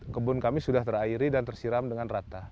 kebun kami sudah terairi dan tersiram dengan rata